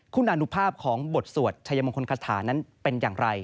คุณอนุภาพของบทสวดชายมงคลคาถานั้นเป็นอย่างไร